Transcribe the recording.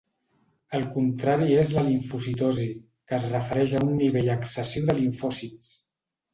El contrari és la limfocitosi, que es refereix a un nivell excessiu de limfòcits.